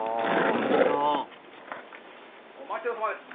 本当お待ちどおさまです。